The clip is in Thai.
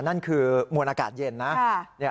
นั่นคือมวลอากาศเย็นนะ